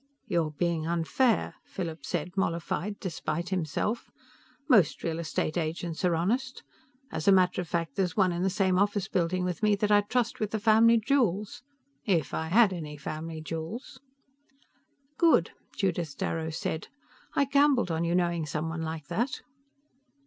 "You're being unfair," Philip said, mollified despite himself. "Most real estate agents are honest. As a matter of fact, there's one in the same office building with me that I'd trust with the family jewels if I had any family jewels." "Good," Judith Darrow said. "I gambled on you knowing someone like that."